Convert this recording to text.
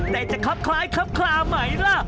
แต่จะคล้ายคล้าใหม่ล่ะ